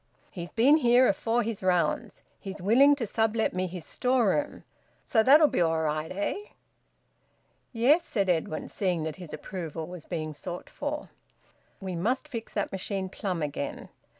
"He's been here afore his rounds. He's willing to sublet me his storeroom so that'll be all right! Eh?" "Yes," said Edwin, seeing that his approval was being sought for. "We must fix that machine plumb again."